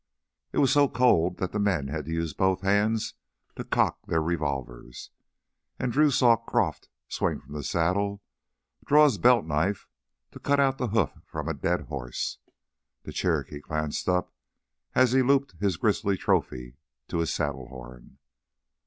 It was so cold that men had to use both hands to cock their revolvers. And Drew saw Croff swing from the saddle, draw his belt knife to cut the hoof from a dead horse. The Cherokee glanced up as he looped his grisly trophy to his saddle horn.